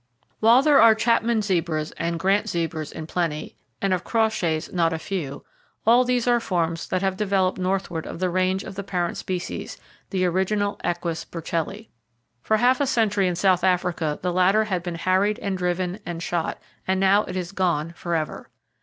While there are Chapman zebras and Grant zebras in plenty, and of Crawshay's not a few, all these are forms that have developed northward of the range of the parent species, the original Equus burchelli. For half a century in South Africa the latter had been harried and driven and shot, and now it is gone, forever.